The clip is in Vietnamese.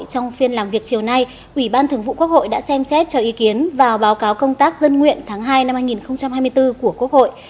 trong phiên làm việc chiều nay ủy ban thường vụ quốc hội đã xem xét cho ý kiến vào báo cáo công tác dân nguyện tháng hai năm hai nghìn hai mươi bốn của quốc hội